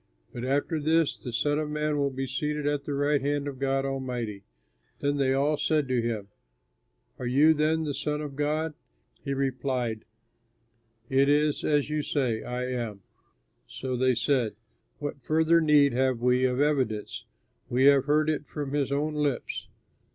But after this the Son of Man will be seated at the right hand of God Almighty." Then they all said to him, "Are you then the Son of God?" He replied, "It is as you say; I am." So they said, "What further need have we of evidence? We have heard it from his own lips."